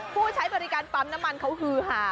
ผู้ใช้บริการปั๊มน้ำมันเขาฮือหา